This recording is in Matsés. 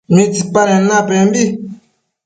¿Midapaden napembi?